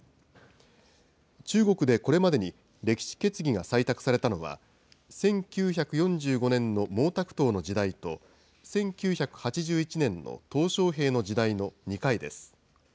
中国でこれまでに歴史決議が採択されたのは、１９４５年の毛沢東の時代と、１９８１年のとう小平の時代の２回です。